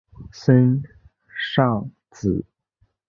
森尚子。